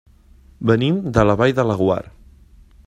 Venim de la Vall de Laguar.